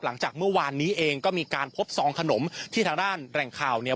หลังจากเมื่อวานนี้เองก็มีการพบซองขนมที่ทางด้านแหล่งข่าวเนี่ย